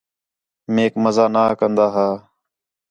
میک مزہ نہ کندا ہا